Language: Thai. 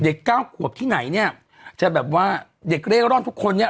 เก้าขวบที่ไหนเนี่ยจะแบบว่าเด็กเร่ร่อนทุกคนเนี่ย